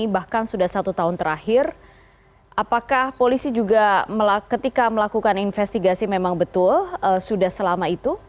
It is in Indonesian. bahkan sudah satu tahun terakhir apakah polisi juga ketika melakukan investigasi memang betul sudah selama itu